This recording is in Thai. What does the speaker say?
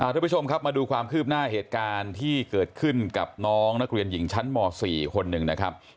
ทุกผู้ชมครับมาดูความคืบหน้าเหตุการณ์ที่เกิดขึ้นกับน้องนักเรียนหญิงชั้นม๔คนหนึ่งนะครับ